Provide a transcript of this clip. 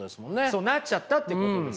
そうなっちゃったっていうことですね。